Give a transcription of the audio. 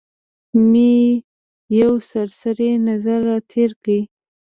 مې یو سرسري نظر را تېر کړ.